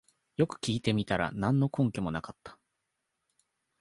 よく聞いてみたら何の根拠もなかった